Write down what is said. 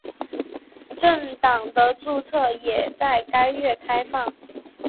政党的注册也在该月开放。